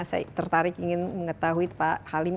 saya tertarik ingin mengetahui pak halim